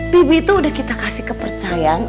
bibi itu udah kita kasih kepercayaan